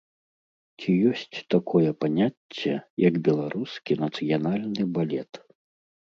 Ці ёсць такое паняцце, як беларускі нацыянальны балет?